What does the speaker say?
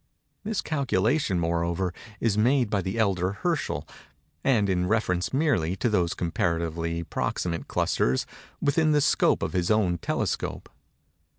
This calculation, moreover, is made by the elder Herschell, and in reference merely to those comparatively proximate clusters within the scope of his own telescope.